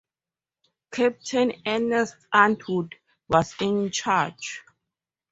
Captain Ernest Atwood was in charge.